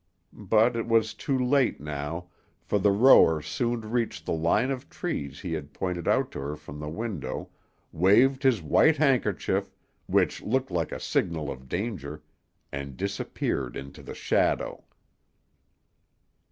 But it was too late now, for the rower soon reached the line of trees he had pointed out to her from the window, waved his white handkerchief, which looked like a signal of danger, and disappeared into the shadow.